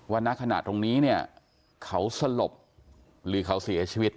ว่านักขนาดตรงนี้เนี่ยเขาสลบหรือเขาเสียชีวิต